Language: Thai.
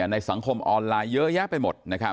ในสังคมออนไลน์เยอะแยะไปหมด